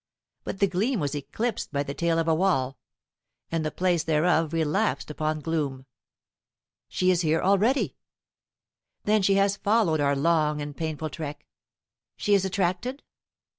But the gleam was eclipsed by the tail of a wall, and the place thereof relapsed upon gloom. She here, already! Then she has followed our long and painful trek! She is attracted